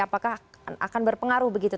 apakah akan berpengaruh begitu